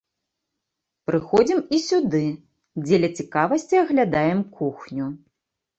Прыходзім і сюды, дзеля цікавасці аглядаем кухню.